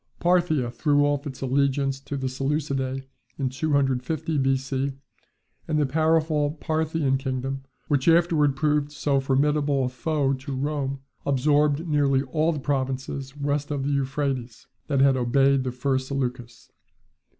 Parthia threw off its allegiance to the Seleucidae in 250 B.C., and the powerful Parthian kingdom, which afterwards proved so formidable a foe to Rome, absorbed nearly all the provinces west of the Euphrates, that had obeyed the first Seleucus.